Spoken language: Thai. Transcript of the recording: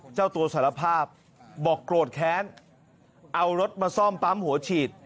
เจ้าตัวสารภาพบอกโกรธแค้นเอารถมาซ่อมปั๊มหัวฉีด